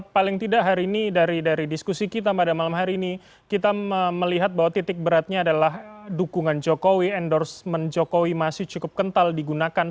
paling tidak hari ini dari diskusi kita pada malam hari ini kita melihat bahwa titik beratnya adalah dukungan jokowi endorsement jokowi masih cukup kental digunakan